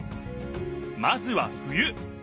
まずは冬。